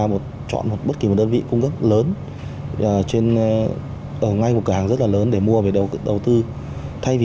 một chọn một bất kỳ đơn vị cung cấp lớn trên đầu ngay một cả rất là lớn để mua về đầu tư thay vì